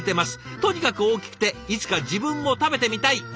とにかく大きくていつか自分も食べてみたい」ですって！